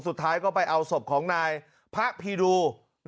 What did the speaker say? สุดท้ายก็ไปเอาศพของนายพระพีดู